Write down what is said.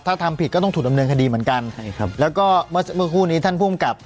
ถ้าทำผิดก็ต้องถูกดำเนินคดีเหมือนกันใช่ครับแล้วก็เมื่อเมื่อคู่นี้ท่านภูมิกับ